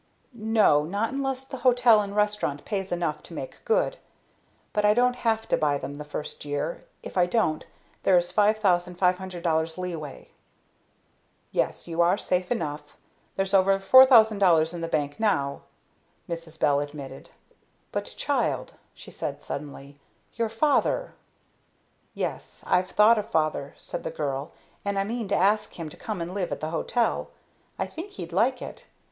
"No, not unless the hotel and restaurant pays enough to make good. But I don't have to buy them the first year. If I don't, there is $5,500 leeway." "Yes, you are safe enough; there's over $4,000 in the bank now," Mrs. Bell admitted. "But, child," she said suddenly, "your father!" "Yes, I've thought of father," said the girl, "and I mean to ask him to come and live at the hotel. I think he'd like it.